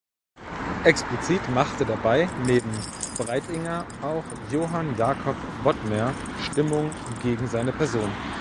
Explizit machte dabei neben Breitinger auch Johann Jakob Bodmer Stimmung gegen seine Person.